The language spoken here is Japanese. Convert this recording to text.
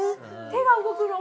手が動くの！